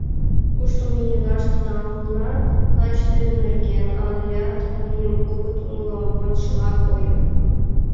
Кушто ме илаш тӱҥалына, лач тидын нерген, — алят мыйым огыт умыло маншыла койо.